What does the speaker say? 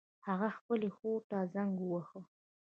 هغې خپلې خور ته زنګ وواهه